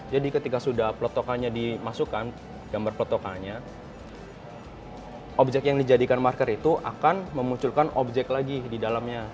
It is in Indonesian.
jadi ketika sudah peletokannya dimasukkan gambar peletokannya objek yang dijadikan marker itu akan memunculkan objek lagi di dalamnya